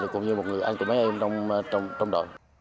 cũng như một người anh của mấy em trong đội